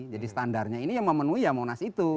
standarnya ini yang memenuhi ya monas itu